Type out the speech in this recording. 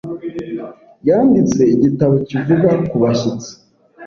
Yanditse igitabo kivuga ku bashyitsi .